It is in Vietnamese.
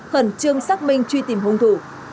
hẳn chương xác minh truy tìm hùng thủ